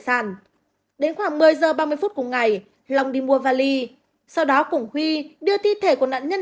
sản đến khoảng một mươi giờ ba mươi phút cùng ngày long đi mua vali sau đó cùng huy đưa thi thể của nạn nhân